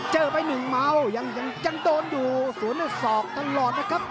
เจอไป๑มาวล์ยังโดนอยู่สวนศอกตลอดนะครับ